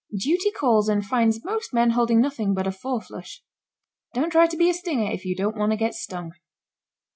Duty calls and finds most men holding nothing but a four flush. Don't try to be a stinger if you don't want to get stung.